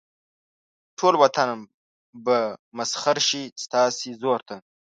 ټول وطن به مسخر شي ستاسې زور ته.